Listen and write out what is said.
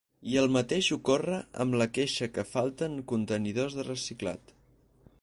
I el mateix ocorre amb la queixa que falten contenidors de reciclat.